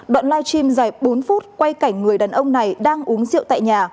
đoạn live stream dài bốn phút quay cảnh người đàn ông này đang uống rượu tại nhà